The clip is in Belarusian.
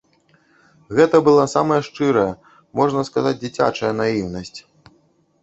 Гэта была самая шчырая, можна сказаць, дзіцячая наіўнасць.